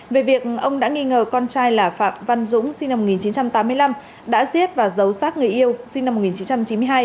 về việc ông đã nghi ngờ con trai là phạm văn dũng sinh năm một nghìn chín trăm tám mươi năm đã giết và giấu sát người yêu sinh năm một nghìn chín trăm chín mươi hai